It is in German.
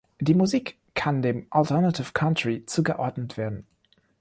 Die Musik kann dem Alternative Country zugerechnet werden.